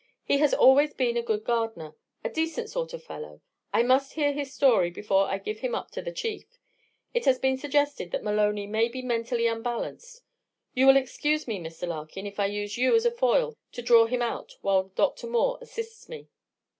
He has always been a good gardener a decent sort of fellow. I must hear his story before I give him up to the Chief. It has been suggested that Maloney may be mentally unbalanced; you will excuse me, Mr. Larkin, if I use you as a foil to draw him out while Dr. Moore assists me."